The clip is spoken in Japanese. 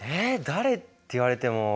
誰って言われても。